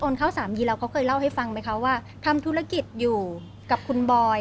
เข้าสามยีแล้วเขาเคยเล่าให้ฟังไหมคะว่าทำธุรกิจอยู่กับคุณบอย